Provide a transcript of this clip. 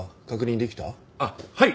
あっはい！